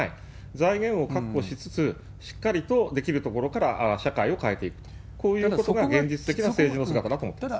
財源を確保しつつ、しっかりとできるところから社会を変えていくと、こういうことが現実的な政治の姿だと思ってます。